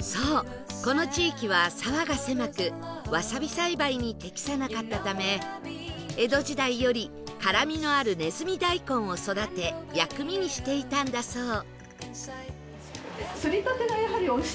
そうこの地域は沢が狭くワサビ栽培に適さなかったため江戸時代より辛みのあるねずみ大根を育て薬味にしていたんだそう